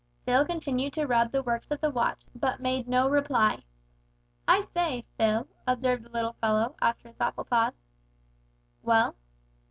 Phil continued to rub the works of the watch, but made no reply. "I say, Phil," observed the little fellow, after a thoughtful pause. "Well?"